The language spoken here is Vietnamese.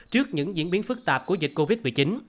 trước những diễn biến phức tạp của dịch covid một mươi chín